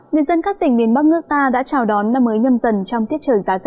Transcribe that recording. người dân các tỉnh miền bắc nước ta đã chào đón năm mới nhâm dần trong tiết trời giá rét